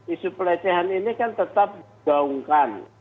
isu pelecehan ini kan tetap digaungkan